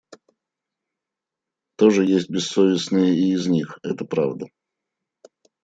Тоже есть бессовестные и из них, это правда.